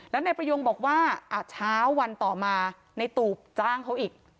แล้วนายประยงบอกว่าเช้าวันต่อมาในตูบจ้างเขาอีก